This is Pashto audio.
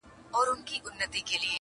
دواړي سترګي یې د سرو وینو پیالې وې!!